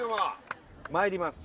まいります